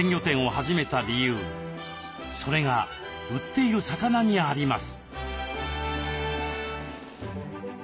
それが売っている魚にあります。